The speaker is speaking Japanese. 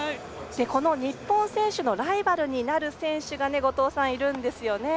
日本選手のライバルになる選手がいるんですよね。